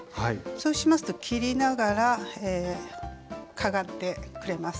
そうしますと切りながらかがってくれます。